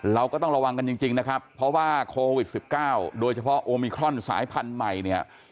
เราก็ต้องระวังกันจริงนะครับเพราะว่าโควิด๑๙โดยเฉพาะโอมิครอนสายพันธุ์ใหม่เนี่ย